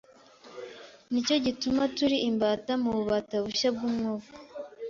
Nicyo gituma turi imbata mu bubata bushya bw’Umwuka,